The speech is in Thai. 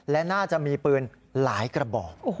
และน่าจะมีปืนหลายกระบอก